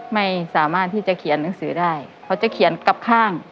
ไม่สามารถที่จะเขียนหนังสือได้เขาจะเขียนกลับข้าง